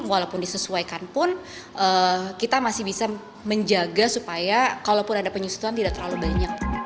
walaupun disesuaikan pun kita masih bisa menjaga supaya kalaupun ada penyusutan tidak terlalu banyak